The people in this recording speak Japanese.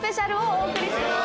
お送りします。